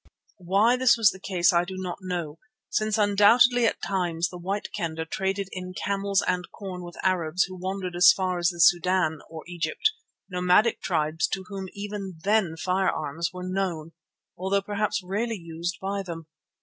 Why this was the case I do not know, since undoubtedly at times the White Kendah traded in camels and corn with Arabs who wandered as far as the Sudan, or Egypt, nomadic tribes to whom even then firearms were known, although perhaps rarely used by them.